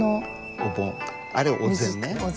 「お盆」あれ「お膳」ね。